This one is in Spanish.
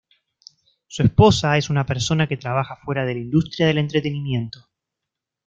Su esposa es una persona que trabaja fuera de la industria del entretenimiento.